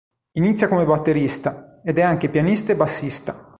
Inizia come batterista, ed è anche pianista e bassista.